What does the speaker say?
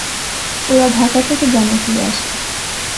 ওরা ঢাকা থেকে গ্রামে ফিরে আসে।